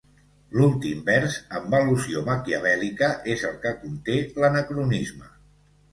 L'últim vers, amb l'al·lusió maquiavèl·lica, és el que conté l'anacronisme.